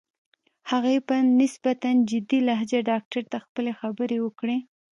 هغې په نسبتاً جدي لهجه ډاکټر ته خپلې خبرې وکړې.